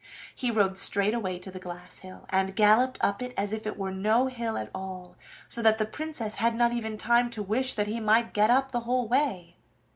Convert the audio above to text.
He rode straight away to the glass hill, and galloped up it as if it were no hill at all, so that the Princess had not even time to wish that he might get up the whole way.